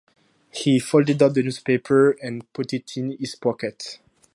He folded up the newspaper, and put it in his pocket.